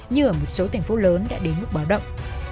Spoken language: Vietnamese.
như ở một số thành phố lớn đã đến mức báo động